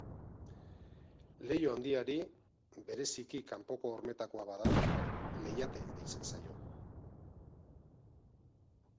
Leiho handiari, bereziki kanpoko hormetakoa bada, leihate deitzen zaio.